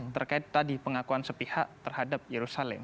terkait tadi pengakuan sepihak terhadap yerusalem